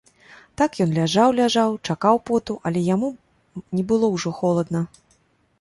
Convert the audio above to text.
Так ён ляжаў, ляжаў, чакаў поту, але яму не было ўжо холадна.